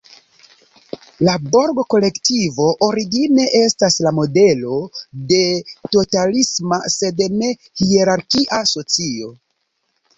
La Borg-kolektivo origine estas la modelo de totalisma, sed ne-hierarkia socio.